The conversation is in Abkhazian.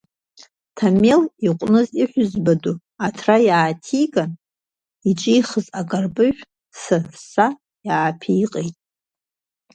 Ҭамел иҟәныз иаҳәызба ду аҭра иааҭиган, иҿихыз акарпыжә са-са иааԥиҟҟеит.